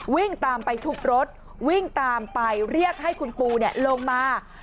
วิ่งตามไปทุบรถวิ่งตามไปเรียกให้คุณปูลงมา